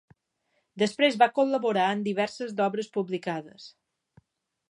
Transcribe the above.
Després va col·laborar en diverses d'obres publicades.